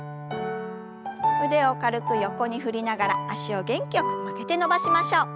腕を軽く横に振りながら脚を元気よく曲げて伸ばしましょう。